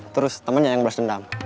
terus temennya yang beras dendam